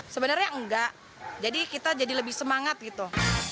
sebenarnya enggak jadi kita jadi lebih semangat gitu